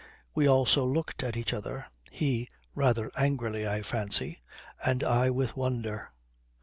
We also looked at each other, he rather angrily, I fancy, and I with wonder.